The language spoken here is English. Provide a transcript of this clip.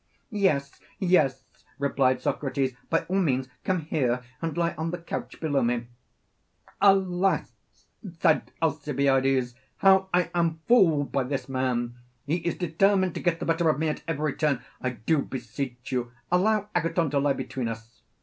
Yes, yes, replied Socrates, by all means come here and lie on the couch below me. Alas, said Alcibiades, how I am fooled by this man; he is determined to get the better of me at every turn. I do beseech you, allow Agathon to lie between us.